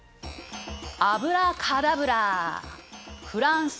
アブラカダブラフランス